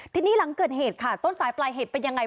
ทีนี้หลังเกิดเหตุค่ะต้นสายปลายเหตุเป็นยังไง